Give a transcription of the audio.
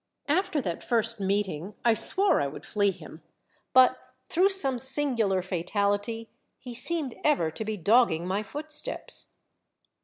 After that first meeting I swore I would flee him, but through some singular fatality he seemed ever to be dogging my footsteps.